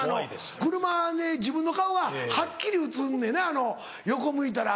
車で自分の顔がはっきり映んねんな横向いたら。